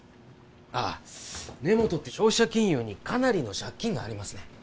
ああ根元って消費者金融にかなりの借金がありますね